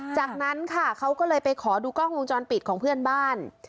จากนั้นค่ะเขาก็เลยไปขอดูกล้องวงจรปิดของเพื่อนบ้าน